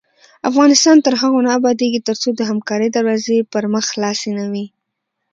افغانستان تر هغو نه ابادیږي، ترڅو د همکارۍ دروازې پر مخ خلاصې نه وي.